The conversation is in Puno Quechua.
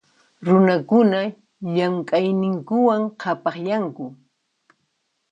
Runakuna llamk'ayninkuwan qhapaqyanku.